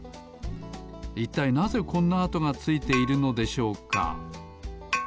いったいなぜこんなあとがついているのでしょうか？